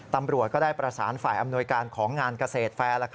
ตำรวจก็ได้ประสานฝ่ายอำนวยการของงานเกษตรแฟร์